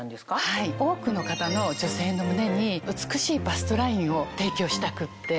多くの方の女性の胸に美しいバストラインを提供したくって。